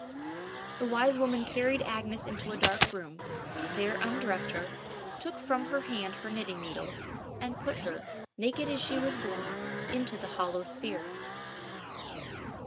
The wise woman carried Agnes into a dark room, there undressed her, took from her hand her knitting needles, and put her, naked as she was born, into the hollow sphere.